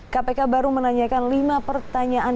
kpk baru menanyakan lima pertanyaan